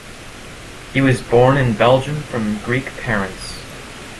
He was born in Belgium from Greek parents.